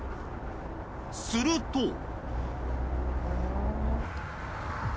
すると。